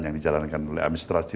yang dijalankan oleh administrasi